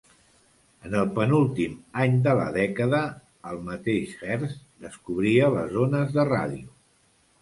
En el penúltim any de la dècada, el mateix Hertz descobria les ones de ràdio.